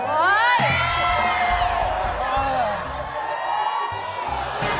โอ้ย